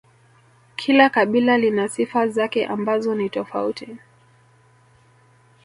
kila kabila lina sifa zake ambazo ni tofauti